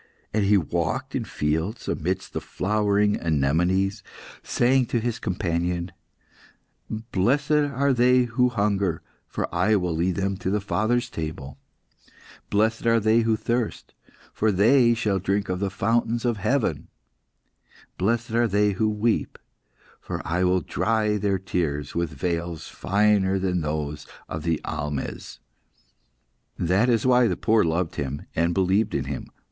And He walked in fields, amidst the flowering anemones, saying to His companion "'Blessed are they who hunger, for I will lead them to My Father's table! Blessed are they who thirst, for they shall drink of the fountains of heaven! Blessed are they who weep, for I will dry their tears with veils finer than those of the almehs!' "That is why the poor loved Him, and believed in Him.